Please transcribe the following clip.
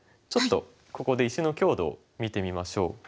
ちょっとここで石の強度を見てみましょう。